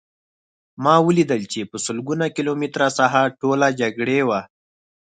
ما ولیدل چې په سلګونه کیلومتره ساحه ټوله جګړې وه